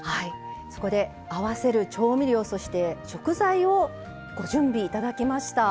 そこで合わせる調味料そして食材をご準備いただきました。